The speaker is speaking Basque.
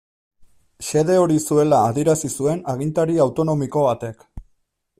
Xede hori zuela adierazi zuen agintari autonomiko batek.